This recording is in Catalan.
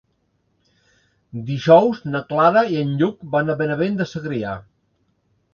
Dijous na Clara i en Lluc van a Benavent de Segrià.